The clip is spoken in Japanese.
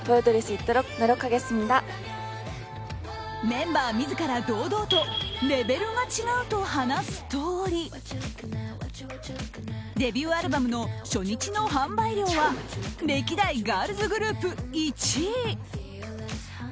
メンバー自ら堂々とレベルが違うと話すとおりデビューアルバムの初日の販売量は歴代ガールズグループ１位！